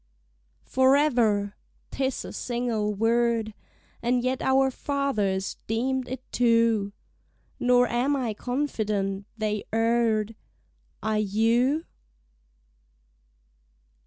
Forever! 'Tis a single word! And yet our fathers deem'd it two: Nor am I confident they err'd; Are you?